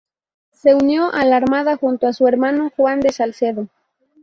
Se unió a la Armada junto a su hermano Juan de Salcedo.